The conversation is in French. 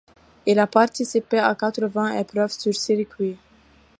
Il a participé à quatre-vingts épreuves sur circuit.